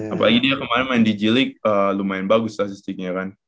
apalagi dia kemarin main di g league lumayan bagus statistiknya kan